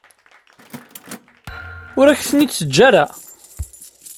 Ur ak-ten-id-teǧǧa ara.